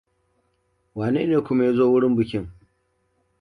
Wane ne kuma ya zo wurin bikin?